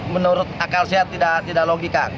menurut akal sehat tidak logika